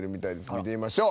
見てみましょう。